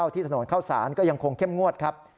ที่ถนนเข้าสารก็ยังคงเข้มงวดครับ